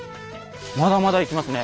まだまだいきますね。